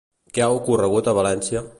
Què ha ocorregut a València?